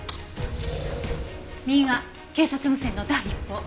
右が警察無線の第一報。